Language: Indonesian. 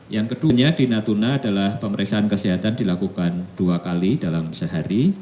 yang kedua di natuna adalah pemeriksaan kesehatan dilakukan dua kali dalam sehari